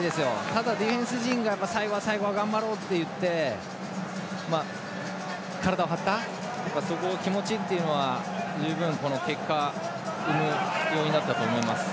ただディフェンス陣が最後は頑張ろうといって体を張ったその気持ちは十分結果の要因になったと思います。